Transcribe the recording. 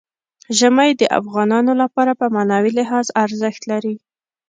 ژمی د افغانانو لپاره په معنوي لحاظ ارزښت لري.